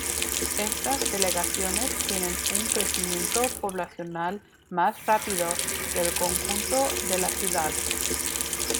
Estas delegaciones tienen un crecimiento poblacional más rápido que el conjunto de la ciudad.